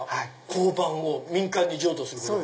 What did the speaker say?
⁉交番を民間に譲渡することが？